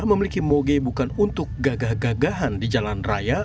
memiliki moge bukan untuk gagah gagahan di jalan raya